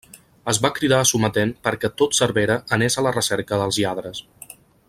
Es va cridar a sometent perquè tot Cervera anés a la recerca dels lladres.